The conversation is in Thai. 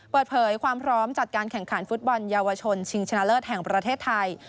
เปิดเผยความพร้อมจัดการแข่งขันฟุตบอลเยาวชนชิงชนะเลิศแห่งประเทศไทย